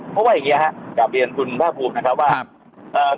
เพราะว่าอย่างเงี้ฮะกลับเรียนคุณภาคภูมินะครับว่าเอ่อ